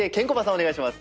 お願いします。